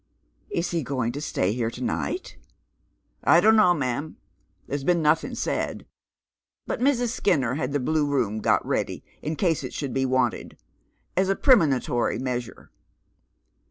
" Is he going to stay here to night ?"" I don't know, ma'am. There's been notliing said, but Mrsi Skinner had the Blue Room got ready in case it should be wanted, as a premonitory measure."